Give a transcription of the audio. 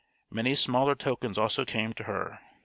Many smaller tokens also came to her.